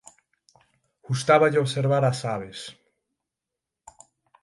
Gustáballe observar as aves.